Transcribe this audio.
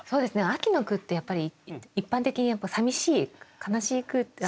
秋の句ってやっぱり一般的にやっぱさみしい悲しい句が。